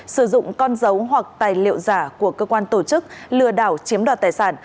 sử dụng con dấu hoặc tài liệu giả của cơ quan tổ chức lừa đảo chiếm đoạt tài sản